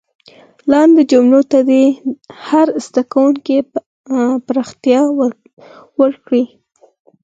لاندې جملو ته دې هر زده کوونکی پراختیا ورکړي.